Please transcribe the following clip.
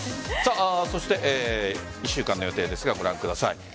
そして１週間の予定ですがご覧ください。